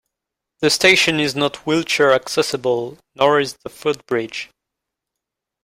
The station is not wheelchair-accessible, nor is the footbridge.